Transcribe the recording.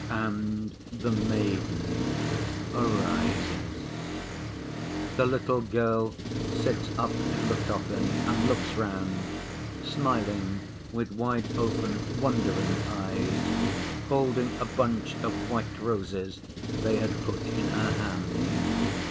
and the maiden arises. The little girl sits up in the coffin and looks round, smiling with wide‐ open wondering eyes, holding a bunch of white roses they had put in her hand.